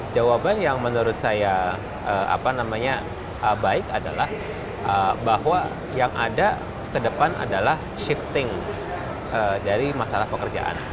jawaban yang menurut saya baik adalah bahwa yang ada ke depan adalah shifting dari masalah pekerjaan